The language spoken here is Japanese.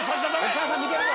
お母さん見てるぞ！